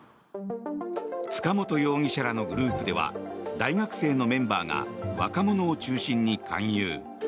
塚本容疑者らのグループでは大学生のメンバーが若者を中心に勧誘。